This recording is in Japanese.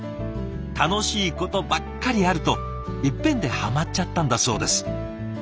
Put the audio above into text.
「楽しいことばっかりある！」といっぺんでハマっちゃったんだそうです。